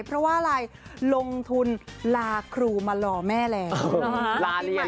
เพราะว่าอะไรลงทุนลาครูมารอแม่แล้ว